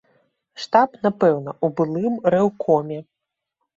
Штаб, напэўна, у былым рэўкоме.